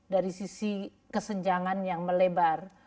dari sisi kesenjangan yang melebar